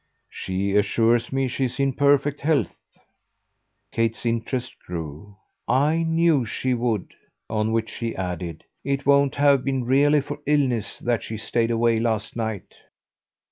"She assures me she's in perfect health." Kate's interest grew. "I knew she would." On which she added: "It won't have been really for illness that she stayed away last night."